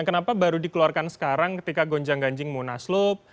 kenapa baru dikeluarkan sekarang ketika gonjang ganjing munaslup